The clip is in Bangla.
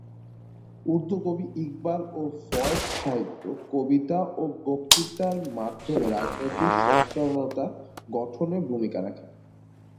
উর্দু কবি ইকবাল ও ফয়েজ সাহিত্য, কবিতা ও বক্তৃতার মাধ্যমে রাজনৈতিক সচেতনতা গঠনে ভূমিকা রাখেন।